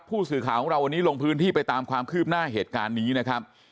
ผู้สื่อข่าวของเราวันนี้ลงพื้นที่ไปตามความคืบหน้าเหตุการณ์นี้นะครับ